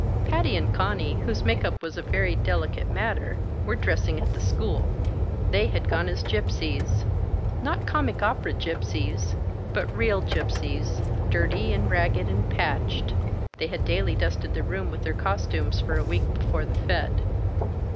Patty and Conny, whose make up was a very delicate matter, were dressing at the school. They had gone as Gypsies not comic opera Gypsies, but real Gypsies, dirty and ragged and patched. (They had daily dusted the room with their costumes for a week before the fête.)